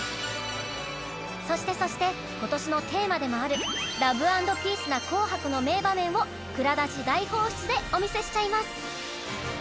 そして、そして今年のテーマでもある「ＬＯＶＥ＆ＰＥＡＣＥ」な「紅白」の名場面を蔵出し大放出でお見せしちゃいます。